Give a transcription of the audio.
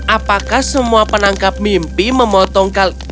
apakah semua penangkap mimpi memotong